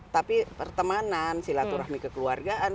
tapi pertemanan silaturahmi kekeluargaan